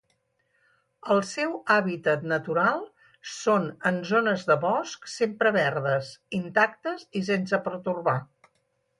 El seu hàbitat natural són en zones de bosc sempre verdes intactes i sense pertorbar.